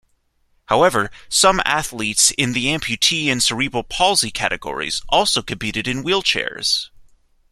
However some athletes in the amputee and cerebral palsy categories also competed in wheelchairs.